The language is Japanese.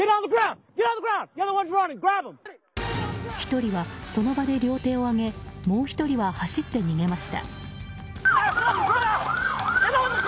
１人はその場で両手を上げもう１人は走って逃げました。